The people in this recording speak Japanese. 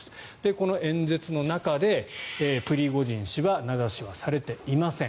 この演説の中でプリゴジン氏は名指しはされていません。